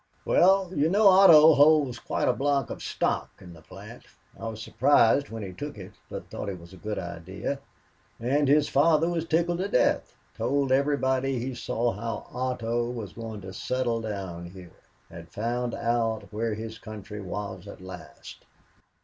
"Well, you know Otto holds quite a block of stock in the plant. I was surprised when he took it, but thought it was a good idea, and his father was tickled to death told everybody he saw how Otto was going to settle down here now had found out where his country was at last.